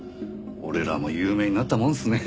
俺らも有名になったもんですね。